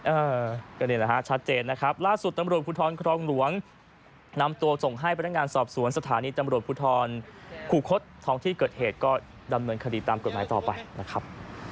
เออก็นี่แหละฮะชัดเจนนะครับล่าสุดตำรวจภูทรครองหลวงนำตัวส่งให้พนักงานสอบสวนสถานีตำรวจภูทรคูคศทองที่เกิดเหตุก็ดำเนินคดีตามกฎหมายต่อไปนะครับ